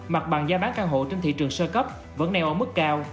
mặt bằng gia bán căn hộ trên thị trường sơ cấp vẫn nèo ở mức cao